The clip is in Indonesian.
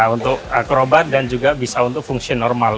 untuk akrobat dan juga bisa untuk fungsi normal